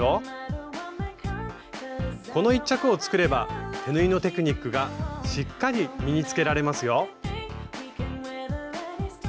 この一着を作れば手縫いのテクニックがしっかり身につけられますよ！